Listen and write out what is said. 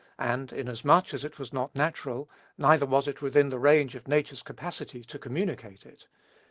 And, inasmuch as it was not natural, neither was it within the range of nature's capacity to communicate it.